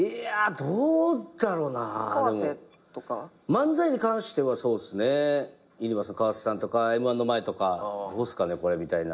漫才に関してはそうっすねゆにばーすの川瀬さんとかＭ−１の前とかどうっすかねこれみたいな。